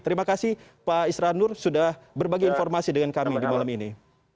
terima kasih pak isran nur sudah berbagi informasi dengan kami di malam ini